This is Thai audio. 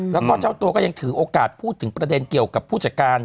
แล้วก็เจ้าตัวก็ยังถือโอกาสพูดถึงประเด็นเกี่ยวกับผู้จัดการ